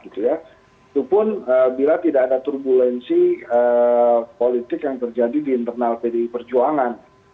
itu pun bila tidak ada turbulensi politik yang terjadi di internal pdi perjuangan